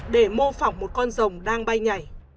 để mô phỏng một con rồng đang bay nhảy